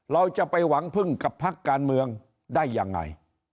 เราจะไปหวังพึ่งกับพักการเมืองได้ยังไง